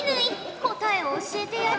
答えを教えてやれ。